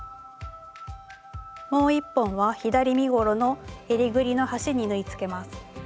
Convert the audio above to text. もう１本は左身ごろのえりぐりの端に縫いつけます。